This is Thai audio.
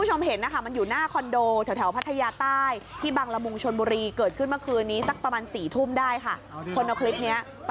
โอ้โหวิพากษ์วิจารณ์กันแซ่นเลยค่ะ